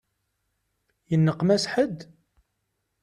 Yenneqmas ḥedd?